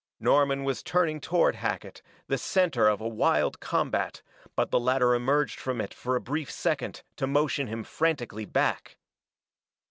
Norman was turning toward Hackett, the center of a wild combat, but the latter emerged from it for a brief second to motion him frantically back.